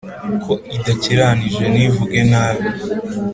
Ko idakiranije ntivuge nabi,